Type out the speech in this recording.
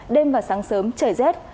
đêm và sáng sớm trời rét